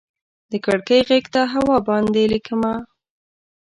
د کړکۍ غیږ ته هوا باندې ليکمه